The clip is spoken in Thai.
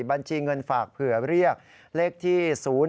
บัญชีเงินฝากเผื่อเรียกเลขที่๐๔